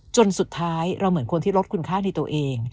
จนสุดท้ายเราเหมือนคนที่ลดคุณค่าในตัวเอง